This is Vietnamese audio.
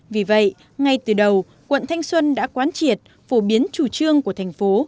vì vậy ngay từ đầu quận thanh xuân đã quán triệt phổ biến chủ trương của thành phố